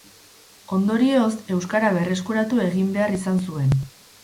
Ondorioz, euskara berreskuratu egin behar izan zuen.